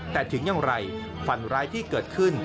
แต่ถึงอย่างไรฝันร้ายที่เกิดขึ้น